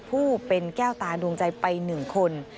ผู้เป็นแก้วตาดวงใจไป๑คน